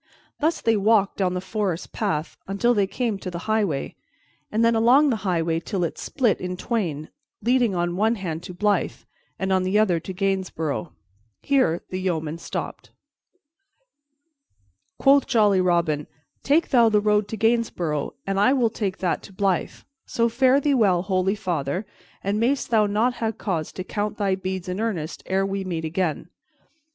Thus they walked down the forest path until they came to the highway, and then along the highway till it split in twain, leading on one hand to Blyth and on the other to Gainsborough. Here the yeomen stopped. Quoth jolly Robin, "Take thou the road to Gainsborough, and I will take that to Blyth. So, fare thee well, holy father, and mayst thou not ha' cause to count thy beads in earnest ere we meet again."